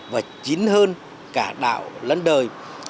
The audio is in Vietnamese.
và chín hơn cả đạo lân đời